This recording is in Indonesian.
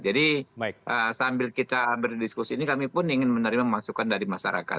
jadi sambil kita berdiskusi ini kami pun ingin menerima masukan dari masyarakat